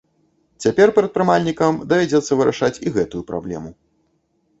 Цяпер прадпрымальнікам давядзецца вырашаць і гэтую праблему.